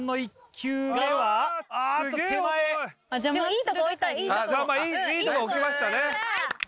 いいとこ置きましたね。